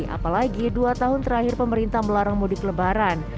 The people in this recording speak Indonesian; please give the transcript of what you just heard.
apalagi dua tahun terakhir pemerintah melarang mudik lebaran